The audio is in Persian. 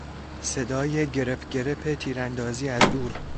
صدای گرپ گرپ تیراندازی از دور